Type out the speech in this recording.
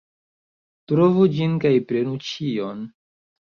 Trovu ĝin kaj prenu ĉion!